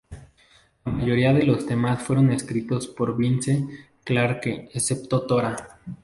La mayoría de los temas fueron escritos por Vince Clarke, excepto "Tora!